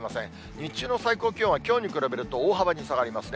日中の最高気温はきょうに比べると大幅に下がりますね。